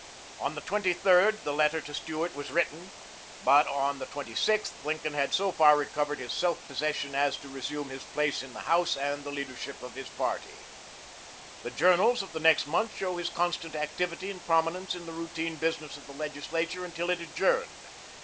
On the 23d the letter to Stuart was written; but on the 26th Lincoln had so far recovered his self possession as to resume his place in the House and the leadership of his party. The journals of the next month show his constant activity and prominence in the routine business of the Legislature until it adjourned.